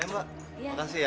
eh mbak makasih ya